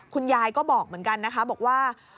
คุณยายก็บอกเหมือนกันนะคะบอกว่า